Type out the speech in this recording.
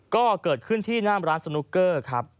ก็เกิดขึ้นที่หน้ามร้านสนุกเกอร์ครับ